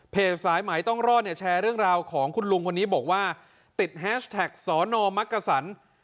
สายไหมต้องรอดเนี่ยแชร์เรื่องราวของคุณลุงคนนี้บอกว่าติดแฮชแท็กสอนอมักกษัน